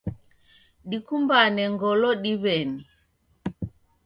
Dikumbane ngolo diweni